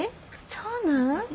そうなん？